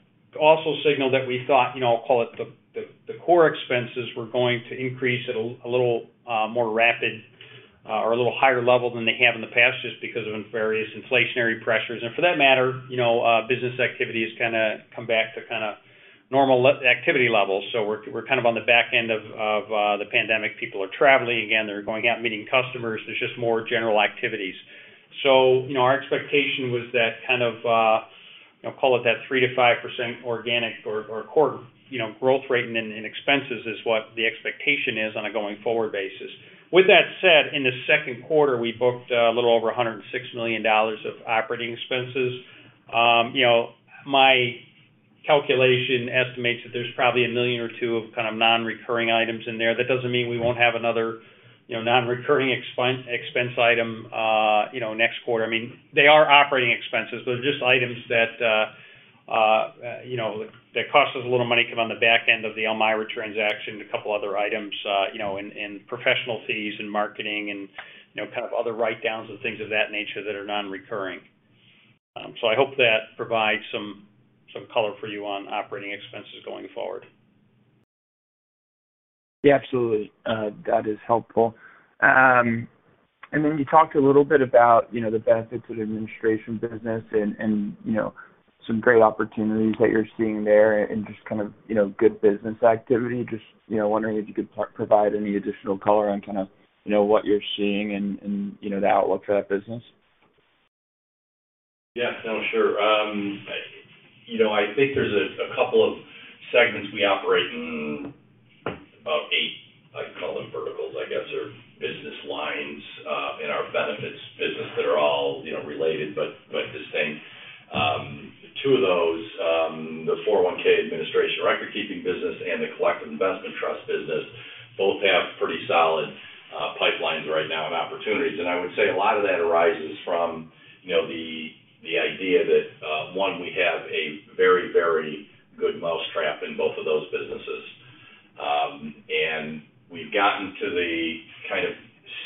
also signaled that we thought, you know, I'll call it the core expenses were going to increase at a little more rapid or a little higher level than they have in the past just because of various inflationary pressures. For that matter, you know, business activity has kinda come back to kinda normal activity levels. We're kind of on the back end of the pandemic. People are traveling again. They're going out meeting customers. There's just more general activities. You know, our expectation was that kind of, you know, call it that 3%-5% organic or quarterly growth rate in expenses is what the expectation is on a going forward basis. With that said, in the second quarter, we booked a little over $106 million of operating expenses. You know, my calculation estimates that there's probably $1 million or $2 million of kind of non-recurring items in there. That doesn't mean we won't have another, you know, non-recurring expense item, you know, next quarter. I mean, they are operating expenses. They're just items that, you know, that cost us a little money come on the back end of the Elmira transaction, a couple other items, you know, in professional fees and marketing and, you know, kind of other write-downs and things of that nature that are non-recurring. I hope that provides some color for you on operating expenses going forward. Yeah, absolutely. That is helpful. You talked a little bit about, you know, the benefits of the administration business and, you know, some great opportunities that you're seeing there and just kind of, you know, good business activity. Just, you know, wondering if you could provide any additional color on kind of, you know, what you're seeing and, you know, the outlook for that business. Yeah. No, sure. You know, I think there's a couple of segments we operate in, about eight, I call them verticals, I guess, or business lines, in our benefits business that are all, you know, related but distinct. Two of those, the 401 administration record-keeping business and the collective investment trust business both have pretty solid pipelines right now and opportunities. I would say a lot of that arises from, you know, the idea that, one, we have a very, very good mousetrap in both of those businesses. We've gotten to the kind of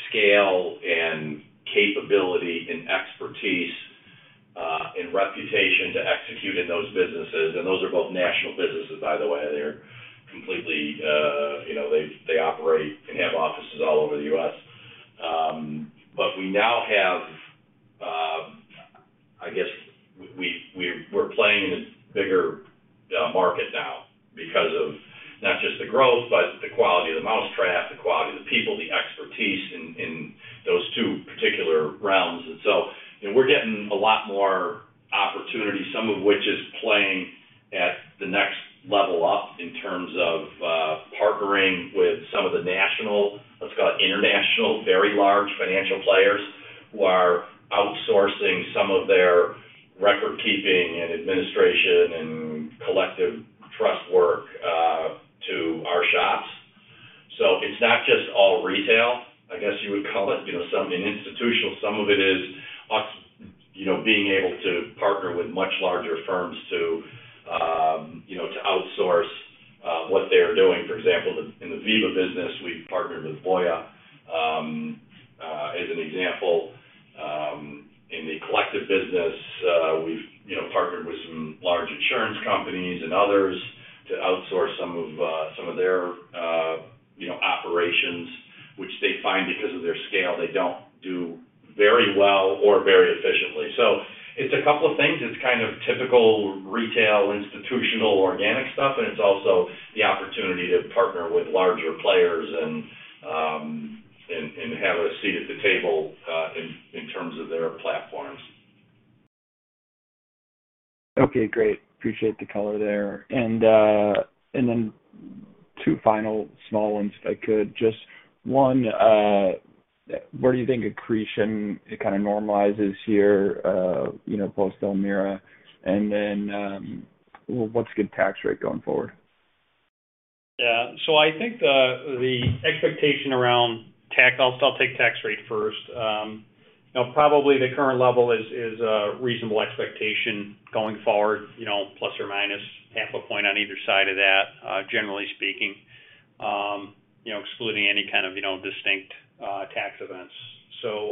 scale and capability and expertise, and reputation to execute in those businesses. Those are both national businesses, by the way. They're completely, you know. They operate and have offices all over the U.S. We now have, I guess we're playing in a bigger market now because of not just the growth, but the quality of the mousetrap, the quality of the people, the expertise in those two particular realms. You know, we're getting a lot more opportunities, some of which is playing at the next level up in terms of partnering with some of the national, let's call it international, very large financial players who are outsourcing some of their record keeping and administration and collective trust work to our shops. It's not just all retail, I guess you would call it. You know, some in institutional, some of it is us, you know, being able to partner with much larger firms to, you know, to outsource what they are doing. For example, in the Veeva business, we've partnered with Voya as an example. In the collective business, we've, you know, partnered with some large insurance companies and others to outsource some of their, you know, operations, which they find because of their scale, they don't do very well or very efficiently. It's a couple of things. It's kind of typical retail, institutional, organic stuff, and it's also the opportunity to partner with larger players and have a seat at the table in terms of their platforms. Okay, great. Appreciate the color there. Two final small ones if I could. Just one, where do you think accretion it kind of normalizes here, you know, post Elmira? What's a good tax rate going forward? Yeah. I think the expectation around tax. I'll take tax rate first. You know, probably the current level is a reasonable expectation going forward, you know, ± half a point on either side of that, generally speaking, you know, excluding any kind of, you know, distinct tax events.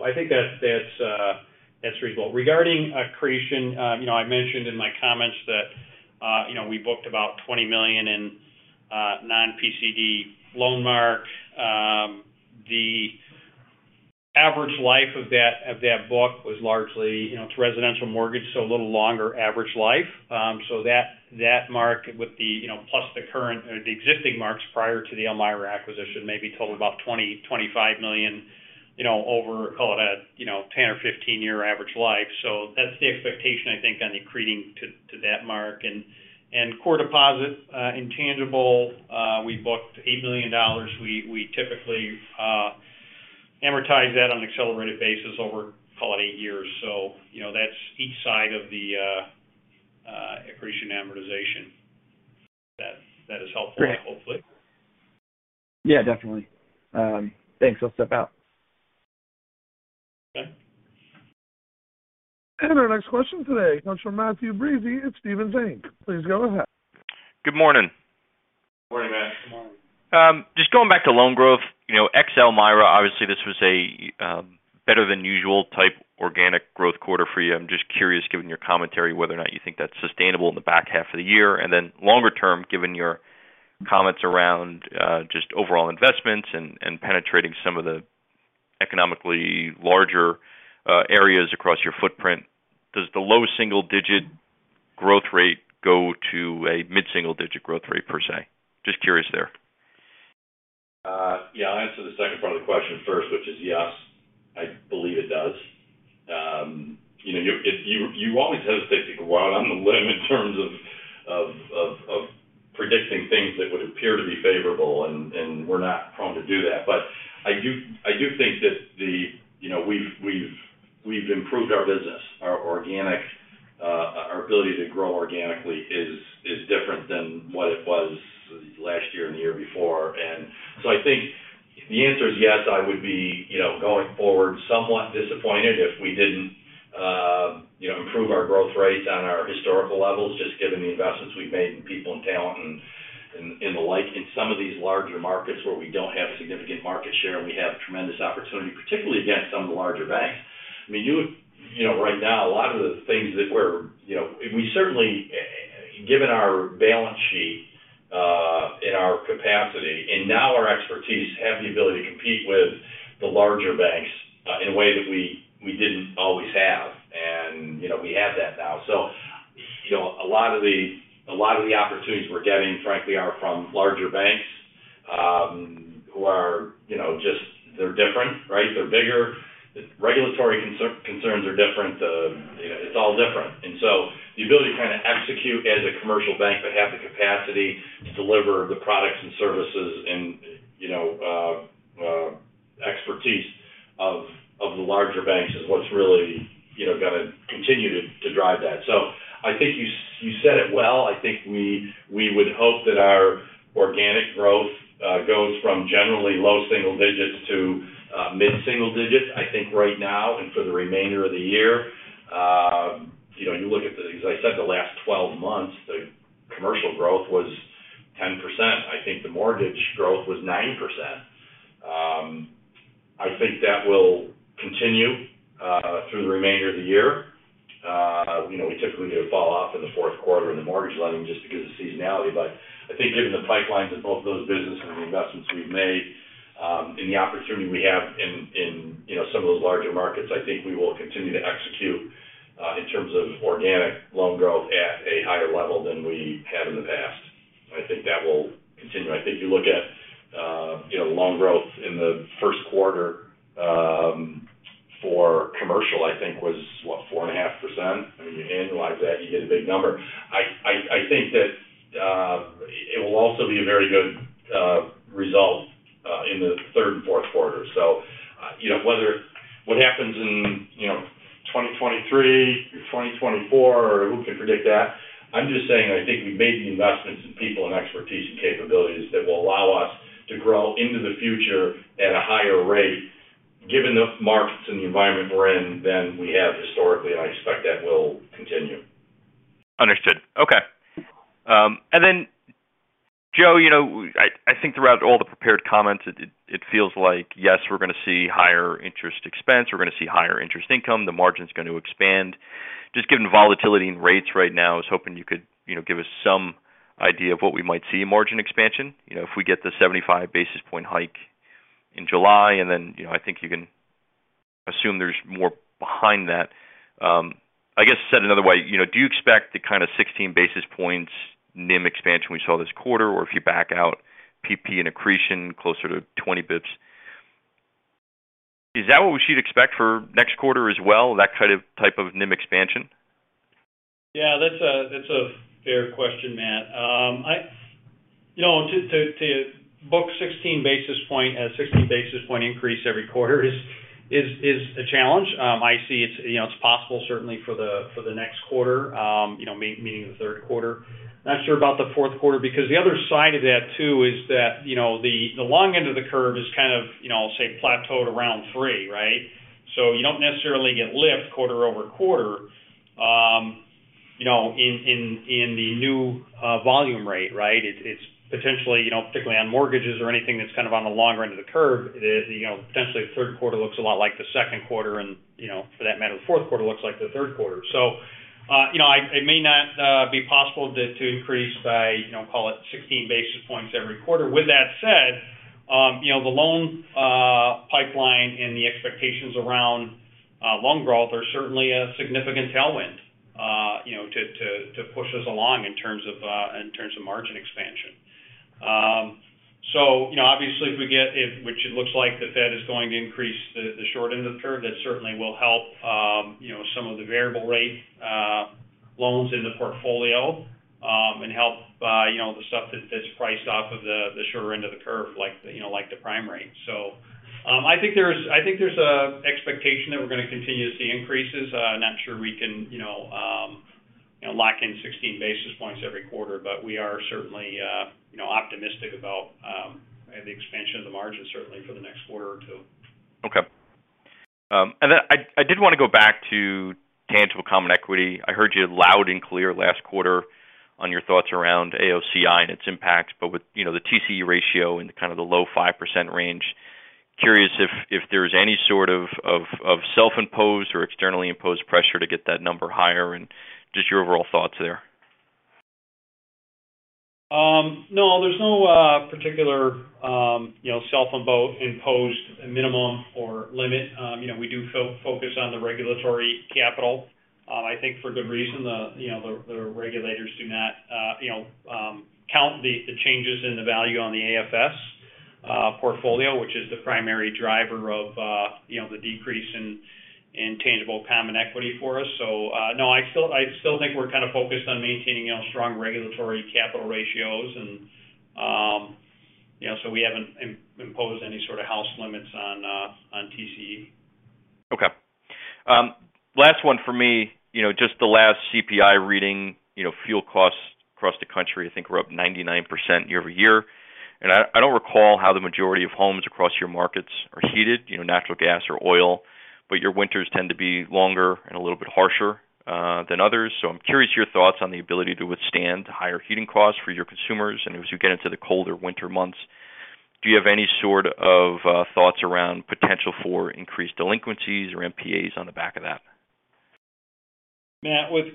I think that's reasonable. Regarding accretion, you know, I mentioned in my comments that, you know, we booked about $20 million in non-PCD loan mark. The average life of that book was largely, you know, it's residential mortgage, so a little longer average life. That mark with the, you know, plus the current or the existing marks prior to the Elmira acquisition maybe total about $20 million-$25 million, you know, over, call it a, you know, 10-year or 15-year average life. That's the expectation, I think, on the accreting to that mark. Core deposit intangible, we booked $8 million. We typically amortize that on accelerated basis over, call it eight years. You know, that's each side of the accretion amortization. That is helpful. Great. Hopefully. Yeah, definitely. Thanks. I'll step out. Okay. Our next question today comes from Matthew Breese at Stephens Inc. Please go ahead. Good morning. Morning, Matt. Morning. Just going back to loan growth. You know, ex Elmira, obviously, this was a better than usual type organic growth quarter for you. I'm just curious, given your commentary, whether or not you think that's sustainable in the back half of the year. Then longer term, given your comments around just overall investments and penetrating some of the economically larger areas across your footprint, does the low single-digit growth rate go to a mid-single digit growth rate per se? Just curious there. Yeah. I'll answer the second part of the question first, which is, yes, I believe it does. You know, you always hesitate to go out on a limb in terms of predicting things that would appear to be favorable, and we're not prone to do that. I do think that. You know, we've improved our business. Our organic ability to grow organically is different than what it was last year and the year before. I think the answer is yes. I would be, you know, going forward, somewhat disappointed if we didn't, you know, improve our growth rates on our historical levels, just given the investments we've made in people and talent and the like. In some of these larger markets where we don't have significant market share and we have tremendous opportunity, particularly against some of the larger banks. I mean, you know, right now, a lot of the things that we're, you know, we certainly, given our balance sheet, and our capacity and now our expertise, have the ability to compete with the larger banks, in a way that we didn't always have. You know, we have that now. You know, a lot of the opportunities we're getting, frankly, are from larger banks, who are, you know, just, they're different, right? They're bigger. Regulatory concerns are different. The, you know, it's all different. The ability to kind of execute as a commercial bank, but have the capacity to deliver the products and services and, you know, expertise of the larger banks is what's really, you know, gonna continue to drive that. I think you said it well. I think we would hope that our organic growth goes from generally low single digits to mid-single digits, I think, right now and for the remainder of the year. You know, you look at the, as I said, the last twelve months, the commercial growth was 10%. I think the mortgage growth was 9%. I think that will continue through the remainder of the year. You know, we typically get a fall off in the fourth quarter in the mortgage lending just because of seasonality. I think given the pipelines in both of those businesses and the investments we've made, and the opportunity we have in, you know, some of those larger markets, I think we will continue to execute in terms of organic loan growth at a higher level than we have in the past. I think that will continue. I think you look at, you know, loan growth in the first quarter for commercial, I think was, what, 4.5%. I mean, you annualize that, you get a big number. I think that it will also be a very good result in the third and fourth quarter. You know, whether what happens in, you know, 2023 or 2024 or who can predict that? I'm just saying I think we've made the investments in people and expertise and capabilities that will allow us to grow into the future at a higher rate given the markets and the environment we're in than we have historically, and I expect that will continue. Understood. Okay. And then, Joe, you know, I think throughout all the prepared comments, it feels like, yes, we're gonna see higher interest expense. We're gonna see higher interest income. The margin's going to expand. Just given the volatility in rates right now, I was hoping you could, you know, give us some idea of what we might see in margin expansion. You know, if we get the 75 basis point hike in July, and then, you know, I think you can assume there's more behind that. I guess said another way, you know, do you expect the kind of 16 basis points NIM expansion we saw this quarter, or if you back out PPP and accretion closer to 20 basis points? Is that what we should expect for next quarter as well, that kind of type of NIM expansion? Yeah, that's a fair question, Matt. You know, to book a 16 basis point increase every quarter is a challenge. I see it's possible certainly for the next quarter, meaning the third quarter. Not sure about the fourth quarter because the other side of that too is that, you know, the long end of the curve is kind of plateaued around 3%, right? So you don't necessarily get lift quarter-over-quarter in the new volume rate, right? It's potentially, you know, particularly on mortgages or anything that's kind of on the long run of the curve. Potentially the third quarter looks a lot like the second quarter and, you know, for that matter, the fourth quarter looks like the third quarter. It may not be possible to increase by, you know, call it 16 basis points every quarter. With that said, you know, the loan pipeline and the expectations around loan growth are certainly a significant tailwind, you know, to push us along in terms of margin expansion. You know, obviously, if we get it, which it looks like the Fed is going to increase the short end of the curve, that certainly will help, you know, some of the variable rate loans in the portfolio, and help, you know, the stuff that's priced off of the shorter end of the curve like the, you know, like the prime rate. I think there's a expectation that we're gonna continue to see increases. Not sure we can, you know, lock in 16 basis points every quarter. We are certainly, you know, optimistic about the expansion of the margin certainly for the next quarter or two. Okay. I did want to go back to tangible common equity. I heard you loud and clear last quarter on your thoughts around AOCI and its impact. With, you know, the TCE ratio in kind of the low 5% range, curious if there's any sort of self-imposed or externally imposed pressure to get that number higher and just your overall thoughts there? No, there's no particular, you know, self-imposed minimum or limit. You know, we do focus on the regulatory capital. I think for good reason, you know, the regulators do not, you know, count the changes in the value on the AFS portfolio, which is the primary driver of, you know, the decrease in tangible common equity for us. No, I still think we're kind of focused on maintaining, you know, strong regulatory capital ratios and, you know, so we haven't imposed any sort of house limits on TCE. Okay. Last one for me. You know, just the last CPI reading, you know, fuel costs across the country, I think we're up 99% year-over-year. I don't recall how the majority of homes across your markets are heated, you know, natural gas or oil, but your winters tend to be longer and a little bit harsher than others. I'm curious your thoughts on the ability to withstand higher heating costs for your consumers. As you get into the colder winter months, do you have any sort of thoughts around potential for increased delinquencies or PAs on the back of that? Matt, with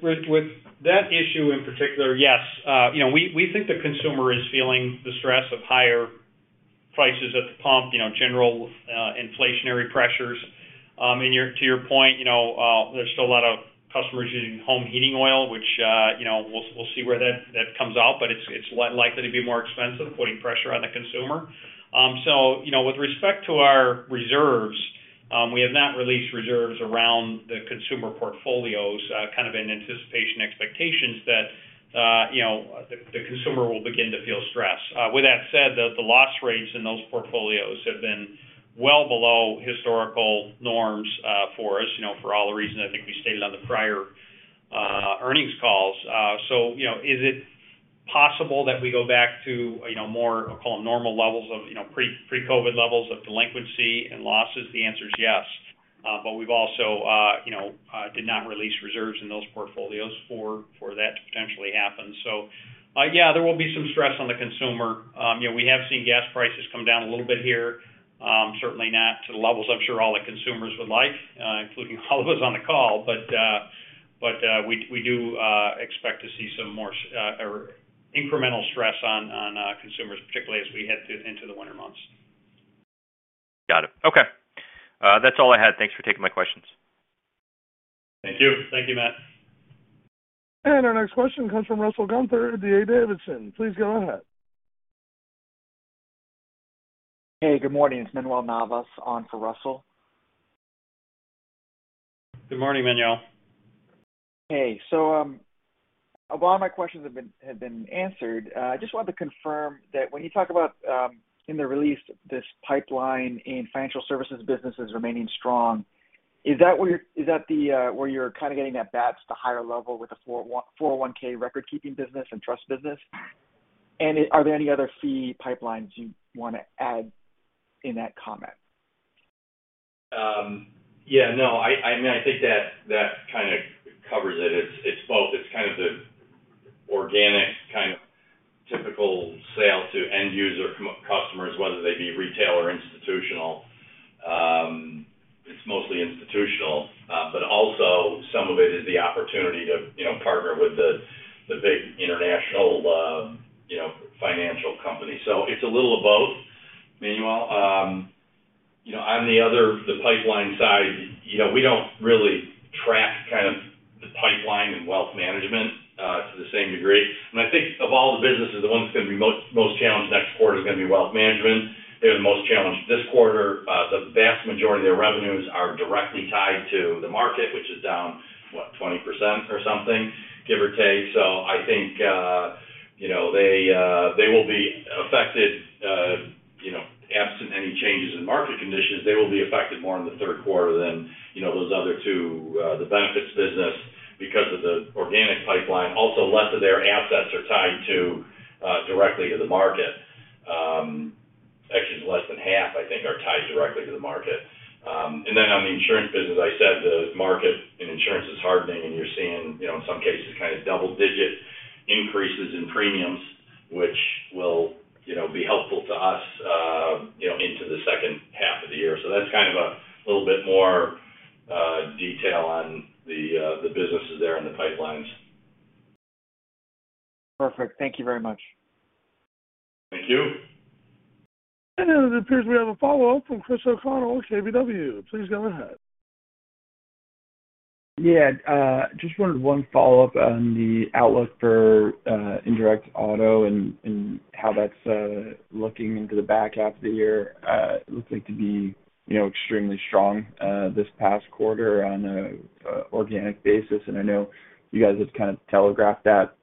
that issue in particular, yes. You know, we think the consumer is feeling the stress of higher prices at the pump, you know, general inflationary pressures. To your point, you know, there's still a lot of customers using home heating oil, which, you know, we'll see where that comes out, but it's likely to be more expensive, putting pressure on the consumer. You know, with respect to our reserves, we have not released reserves around the consumer portfolios, kind of in anticipation expectations that, you know, the consumer will begin to feel stress. With that said, the loss rates in those portfolios have been well below historical norms, for us, you know, for all the reasons I think we stated on the prior earnings calls. You know, is it possible that we go back to, you know, more, call it, normal levels of, you know, pre-COVID levels of delinquency and losses? The answer is yes. We've also, you know, did not release reserves in those portfolios for that to potentially happen. Yeah, there will be some stress on the consumer. You know, we have seen gas prices come down a little bit here. Certainly not to the levels I'm sure all the consumers would like, including all of us on the call. We do expect to see some more or incremental stress on consumers, particularly as we head into the winter months. Got it. Okay. That's all I had. Thanks for taking my questions. Thank you. Thank you, Matt. Our next question comes from Russell Gunther at D.A. Davidson. Please go ahead. Hey, good morning. It's Manuel Navas on for Russell. Good morning, Manuel. Hey. A lot of my questions have been answered. Just wanted to confirm that when you talk about in the release, this pipeline in financial services business is remaining strong, is that where you're getting that BPAS to higher level with the 401(k) record-keeping business and trust business? And are there any other fee pipelines you wanna add in that comment? Yeah, no. I mean, I think that kinda covers it. It's both. It's kind of the organic kind of typical sale to end user customers, whether they be retail or institutional. It's mostly institutional. But also some of it is the opportunity to, you know, partner with the big international, you know, financial company. So it's a little of both, Manuel. You know, on the other, the pipeline side, you know, we don't really track kind of the pipeline and wealth management to the same degree. I think of all the businesses, the one that's gonna be most challenged next quarter is gonna be wealth management. They're the most challenged this quarter. The vast majority of their revenues are directly tied to the market, which is down, what, 20% or something, give or take. I think, you know, they will be affected, you know, absent any changes in market conditions. They will be affected more in the third quarter than, you know, those other two, the benefits business because of the organic pipeline. Also, less of their assets are tied directly to the market. Actually, it's less than half, I think, are tied directly to the market. Then on the insurance business, I said the market in insurance is hardening, and you're seeing, you know, in some cases, kind of double digit increases in premiums, which will, you know, be helpful to us, you know, into the second half of the year. That's kind of a little bit more detail on the businesses there and the pipelines. Perfect. Thank you very much. Thank you. It appears we have a follow-up from Chris O'Connell, KBW. Please go ahead. Yeah. Just wanted one follow-up on the outlook for indirect auto and how that's looking into the back half of the year. It looks like to be, you know, extremely strong this past quarter on an organic basis. I know you guys have kind of telegraphed that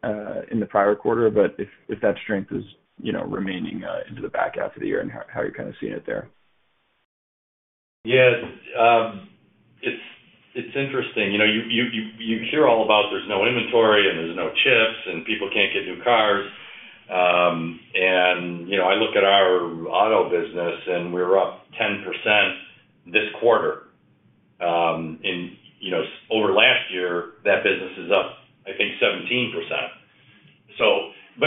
in the prior quarter. If that strength is, you know, remaining into the back half of the year, how are you kinda seeing it there? Yeah. It's interesting. You know, you hear all about there's no inventory and there's no chips and people can't get new cars. You know, I look at our auto business, and we're up 10% this quarter. You know, over last year, that business is up, I think 17%.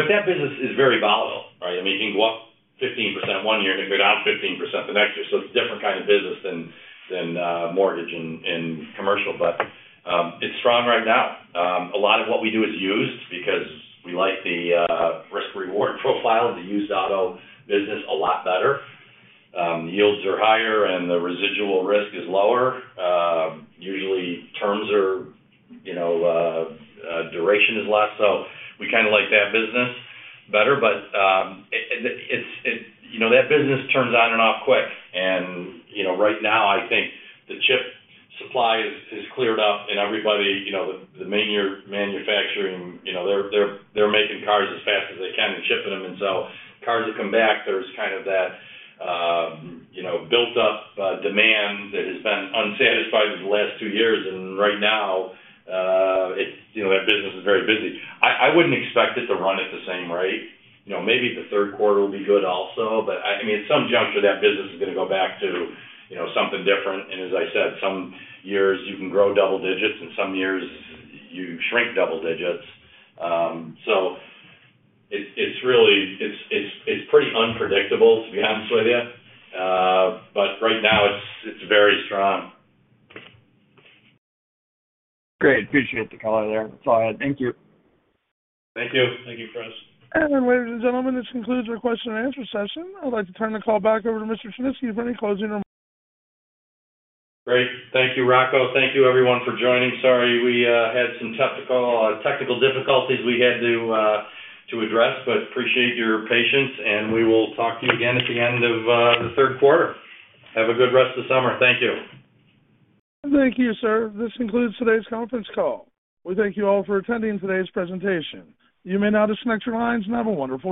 That business is very volatile, right? I mean, it can go up 15% one year and it could down 15% the next year. It's a different kind of business than mortgage and commercial. It's strong right now. A lot of what we do is used because we like the risk-reward profile of the used auto business a lot better. Yields are higher, and the residual risk is lower. Usually terms are, you know, duration is less, so we kinda like that business better. It's, you know, that business turns on and off quick. You know, right now, I think the chip supply is cleared up and everybody, you know, the major manufacturing, you know, they're making cars as fast as they can and shipping them. Cars have come back. There's kind of that, you know, built up demand that has been unsatisfied over the last two years. Right now, it's, you know, that business is very busy. I wouldn't expect it to run at the same rate. You know, maybe the third quarter will be good also. I mean, at some juncture, that business is gonna go back to, you know, something different. As I said, some years you can grow double digits and some years you shrink double digits. It's really pretty unpredictable, to be honest with you. Right now it's very strong. Great. Appreciate the color there. That's all I had. Thank you. Thank you. Thank you, Chris. Ladies and gentlemen, this concludes our question and answer session. I'd like to turn the call back over to Mr. Tryniski for any closing remarks. Great. Thank you, Rocco. Thank you everyone for joining. Sorry, we had some technical difficulties we had to address. Appreciate your patience, and we will talk to you again at the end of the third quarter. Have a good rest of the summer. Thank you. Thank you, sir. This concludes today's conference call. We thank you all for attending today's presentation. You may now disconnect your lines, and have a wonderful day.